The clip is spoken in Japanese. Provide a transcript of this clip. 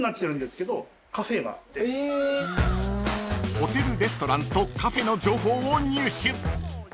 ［ホテルレストランとカフェの情報を入手］